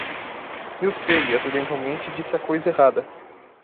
Eu sei e acidentalmente disse a coisa errada.